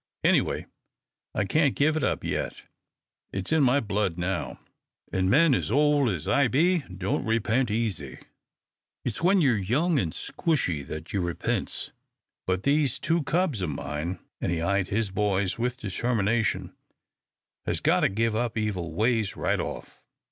Anyway, I can't give it up yet. It's in my blood now, an' men as ole as I be don't repent easy. It's when ye're young an' squshy that you repents. But these two cubs o' mine," and he eyed his boys with determination, "has got to give up evil ways right off.